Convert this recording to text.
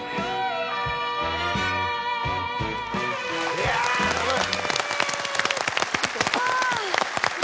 いやすごい！